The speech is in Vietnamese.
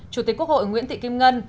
chủ tịch quốc hội nguyễn thị kim ngân